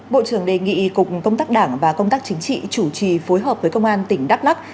bộ trưởng đề nghị cục công tác đảng và công tác chính trị chủ trì phối hợp với công an tỉnh đắk lắc